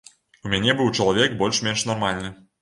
У мяне быў чалавек больш-менш нармальны.